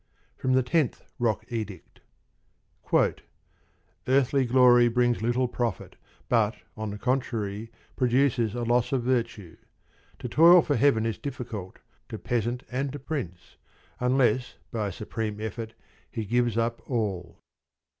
From the Tenth Rock Edict: Earthly glory brings little profit, but, on the contrary, produces a loss of virtue. To toil for heaven is difficult to peasant and to prince, unless by a supreme effort he gives up all.